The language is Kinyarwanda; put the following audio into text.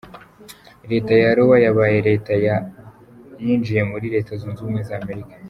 Leta ya Iowa yabaye leta ya yinjiye muri Leta zunze ubumwe za Amerika.